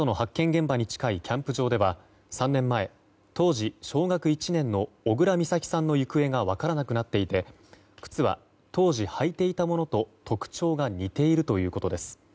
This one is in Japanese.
現場に近いキャンプ場では３年前、当時小学１年の小倉美咲さんの行方が分からなくなっていて靴は当時、履いていたものと特徴が似ているということです。